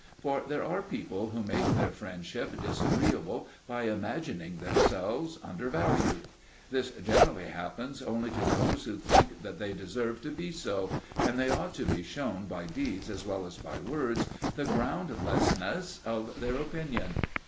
For there are people who make their friendship disagreeable by imagining themselves undervalued. This generally happens only to those who think that they deserve to be so; and they ought to be shewn by deeds as well as by words the groundlessness of their opinion.